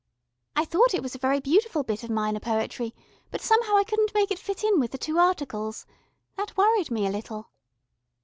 I thought it was a very beautiful bit of Minor Poetry, but somehow I couldn't make it fit in with the two articles. That worried me a little."